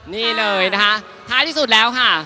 นี่เลยนะคะท้ายที่สุดแล้วค่ะ